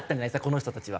この人たちは。